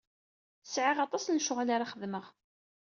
Sɛiɣ aṭas n lecɣal ara xedmeɣ.